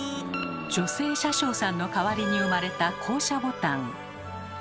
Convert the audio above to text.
女性車掌さんの代わりに生まれた降車ボタン。